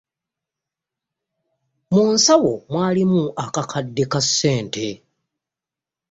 Mu nsawo mwalimu akakadde ka ssente.